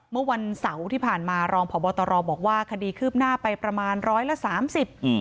เมื่อวันเสาร์ที่ผ่านมารองพบตรบอกว่าคดีคืบหน้าไปประมาณร้อยละสามสิบอืม